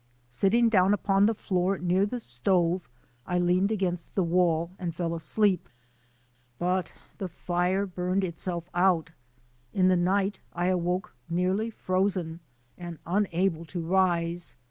Sit ting down upon the floor near the stove I leaned against the wall and fell asleep. But the fire burned itself out. In the night I awoke nearly frozen and unable to rise.